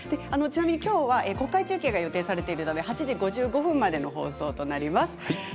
ちなみにきょうは国会中継が予定されているため８時５５分までの放送です。